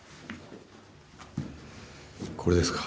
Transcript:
これですか？